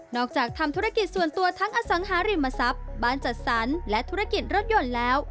อกจากทำธุรกิจส่วนตัวทั้งอสังหาริมทรัพย์บ้านจัดสรรและธุรกิจรถยนต์แล้ว